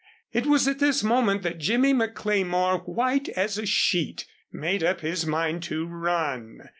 It was at this moment that Jimmy McLemore, white as a sheet, made up his mind to run.